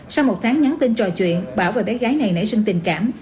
sau một tháng nhắn tin trò chuyện bảo và bé gái này nảy sinh tình cảm